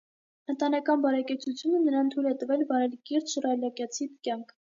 Ընտանեկան բարեկեցությունը նրան թույլ է տվել վարել կիրթ շռայլակյացի կյանք։